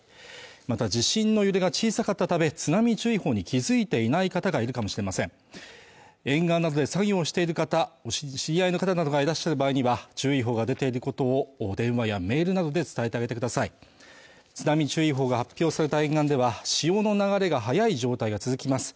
また地震の揺れが小さかったため津波注意報に気づいていない方がいるかもしれません沿岸などで作業をしている方知り合いの方などがいらっしゃる場合には注意報が出ていることを電話やメールなどで伝えてあげてください津波注意報が発表された沿岸では潮の流れが速い状態が続きます